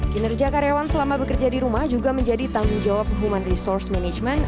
kinerja karyawan selama bekerja di rumah juga menjadi tanggung jawab human resource management